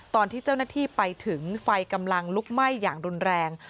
ตอนที่เจ้าหน้าที่ไปถึงไฟกำลังลุกไหม้อย่างรุนแรง